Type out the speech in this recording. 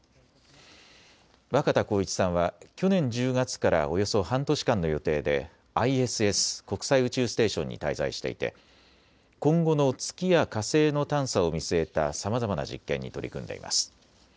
若田光一さんは去年１０月からおよそ半年間の予定でＩＳＳ・国際宇宙ステーションに滞在していて今後の月や火星の探査を見据えたさまざまな実験に取り組んでいます。